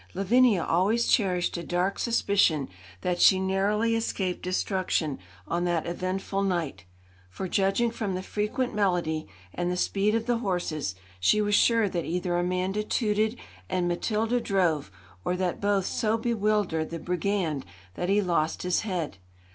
Lavinia always cherished a dark suspicion that she narrowly escaped destruction on that eventful night; for, judging from the frequent melody, and the speed of the horses, she was sure that either Amanda tooted and Matilda drove, or that both so bewildered the brigand that he lost his head.